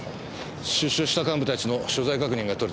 出所した幹部たちの所在確認が取れたそうです。